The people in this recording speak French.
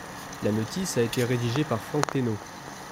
La notice a été rédigée par Frank Ténot.